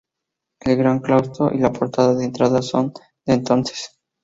El gran claustro y la portada de entrada son de entonces.